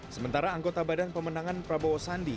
sementara anggota badan pemenangan prabowo sandi